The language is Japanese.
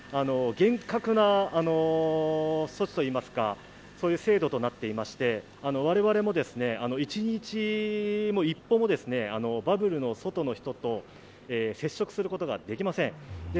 厳格な措置といいますか、そういう制度となっていまして我々も一日、一歩もバブルの外の人と接触することができません。